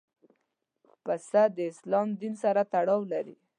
پسه د اسلام دین سره تړاو لري.